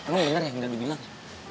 lu denger ya nggak dibilang